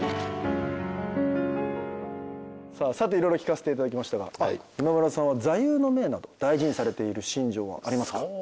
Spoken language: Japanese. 色々聞かせていただきましたが今村さんは座右の銘など大事にされている信条はありますか？